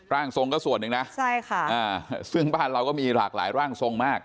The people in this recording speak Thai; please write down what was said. ร่างทรงก็ส่วนหนึ่งนะใช่ค่ะซึ่งบ้านเราก็มีหลากหลายร่างทรงมาก